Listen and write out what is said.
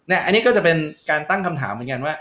อันนี้ก็จะเป็นการตั้งคำถามเหมือนกันว่า